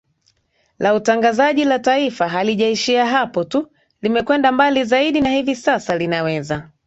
la Utangazaji la Taifa halijaishia hapo tu limekwenda mbali zaidi na hivi sasa linaweza